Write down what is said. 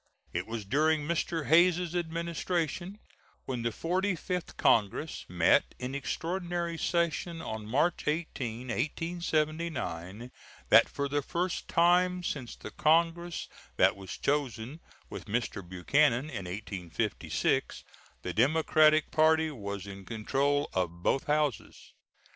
It was during Mr. Hayes's Administration, when the Forty fifth Congress met in extraordinary session on March 18, 1879, that for the first time since the Congress that was chosen with Mr. Buchanan in 1856 the Democratic party was in control of both Houses.